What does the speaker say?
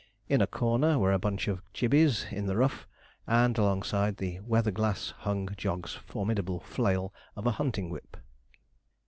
In a corner were a bunch of 'gibbeys' in the rough, and alongside the weather glass hung Jog's formidable flail of a hunting whip.